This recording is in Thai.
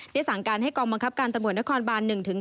ได้สั่งการให้กองบังคับการตรนครบาล๑๙